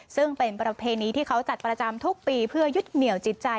ซึ่งเป็นประเพณีที่เขาจัดประจำทุกปีเพื่อยึดเหนียวจิตใจ